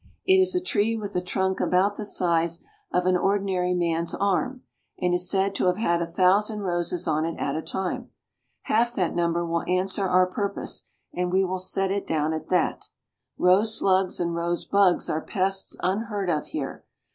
It is a tree with a trunk about the size of an ordinary man's arm, and is said to have had a thousand roses on it at a time. Half that number will answer our purpose; and we will set it down at that. Rose slugs and rose bugs are pests unheard of here.